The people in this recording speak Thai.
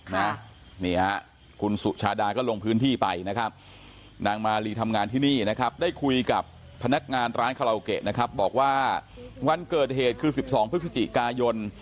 นี่ฮะคุณสุชาดาก็ลงพื้นที่ไปนะครับนางมาลีทำงานที่นี่นะครับได้คุยกับพนักงานร้านคาราโอเกะนะครับบอกว่าวันเกิดเหตุคือ๑๒พฤศจิกายน